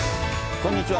こんにちは。